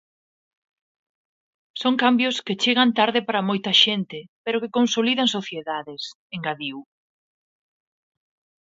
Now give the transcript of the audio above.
"Son cambios que chegan tarde para moita xente, pero que consolidan sociedades", engadiu.